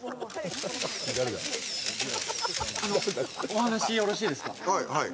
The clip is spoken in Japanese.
お話よろしいですか？